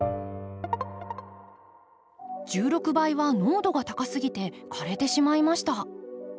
１６倍は濃度が高すぎて枯れてしまいました。